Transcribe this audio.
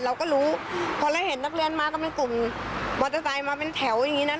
เราก็ลูกพอเห็นนักเรียนมาก็มีกลุ่มป็อตเตอร์ไซ่มาแต่แถวอย่างนี้นั้น